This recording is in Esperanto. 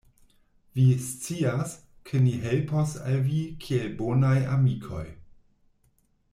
Vi scias, ke ni helpos al vi kiel bonaj amikoj.